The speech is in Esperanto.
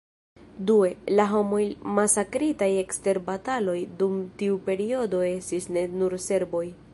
Due, la homoj masakritaj ekster bataloj dum tiu periodo estis ne nur serboj.